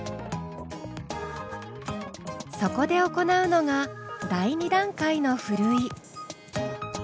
そこで行うのが第２段階のふるい。